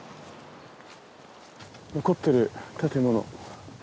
残ってる建物。